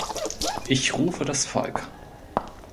Ich rufe das Volk.